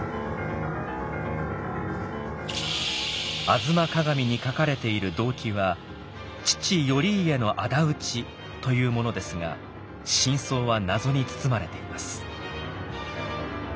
「吾妻鏡」に書かれている動機は「父頼家の仇討ち」というものですが真相は謎に包まれています。